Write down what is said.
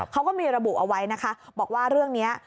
เขาก็มีระบุเอาไว้นะคะบอกว่าเรื่องนี้